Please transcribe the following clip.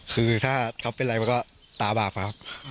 คือถ้าเขาเป็นอะไรมันก็ตาบาปครับ